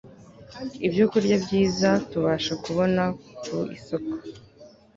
ibyokurya byiza tubasha kubona ku isoko